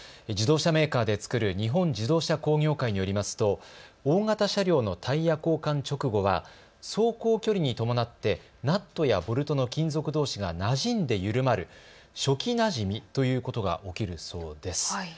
自動車メーカーで作る日本自動車工業会によりますと大型車両のタイヤ交換直後は走行距離に伴ってナットやボルトの金属どうしがなじんで緩まる初期なじみということが起きるそうです。